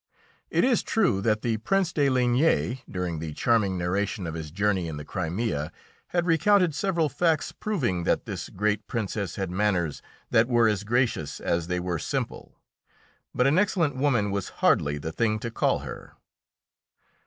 It is true that the Prince de Ligne, during the charming narration of his journey in the Crimea, had recounted several facts proving that this great Princess had manners that were as gracious as they were simple, but an excellent woman was hardly the thing to call her.